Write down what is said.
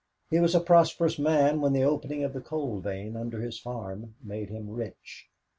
He was a prosperous man when the opening of the coal vein under his farm made him rich.